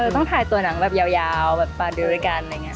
ต้องถ่ายตัวหนังแบบยาวแบบปาดือกันอะไรอย่างนี้